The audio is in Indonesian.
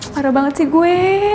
parah banget sih gue